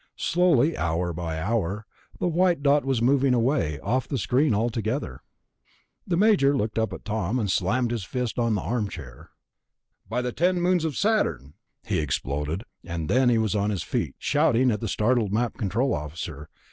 Slowly, hour by hour, the white dot was moving away, off the screen altogether.... The Major looked up at Tom and slammed his fist on the chair arm. "By the ten moons of Saturn...." he exploded, and then he was on his feet, shouting at the startled Map Control officer.